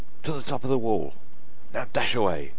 to the top of the wall! Now dash away!